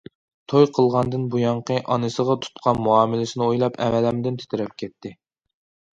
توي قىلغاندىن بۇيانقى ئانىسىغا تۇتقان مۇئامىلىسىنى ئويلاپ، ئەلەمدىن تىترەپ كەتتى.